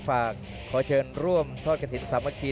ฝากขอเชิญร่วมทอดกระทินสมกี